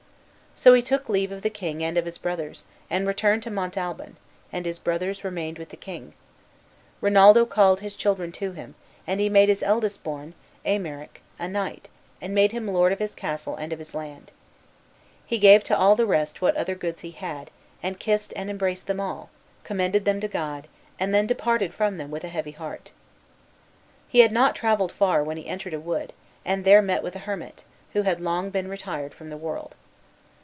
So he took leave of the king and of his brothers, and returned to Montalban, and his brothers remained with the king. Rinaldo called his children to him, and he made his eldest born, Aymeric, a knight, and made him lord of his castle and of his land. He gave to the rest what other goods he had, and kissed and embraced them all, commended them to God, and then departed from them with a heavy heart. He had not travelled far when he entered a wood, and there met with a hermit, who had long been retired from the world.